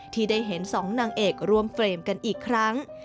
ที่ได้เห็น๒นางเอกร่วมเฟรมกันอีกครั้ง